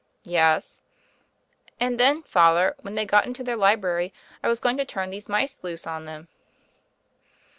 "Yes." "And then. Father, when they got into their library, I was going to turn these mice loose on them."